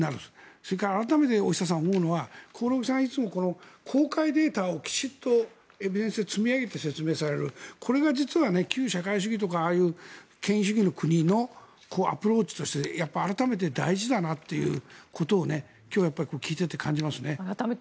それから改めて思うのは興梠さんいつもこの公開データをきちっと積み上げて説明される、これが旧社会主義とか権威主義の国のアプローチとして改めて大事だなということを今日改めて思いますね。